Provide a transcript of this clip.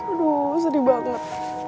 aduh sedih banget